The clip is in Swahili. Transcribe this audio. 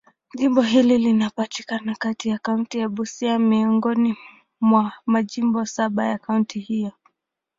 Jimbo hili linapatikana katika kaunti ya Busia, miongoni mwa majimbo saba ya kaunti hiyo.